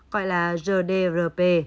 gọi là gdrp